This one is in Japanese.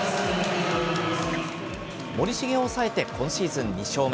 森重を抑えて今シーズン２勝目。